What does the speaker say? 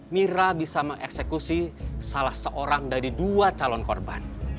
mira bisa mengeksekusi salah seorang dari dua calon korban